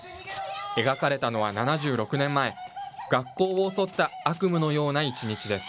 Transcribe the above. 描かれたのは７６年前、学校を襲った悪夢のような一日です。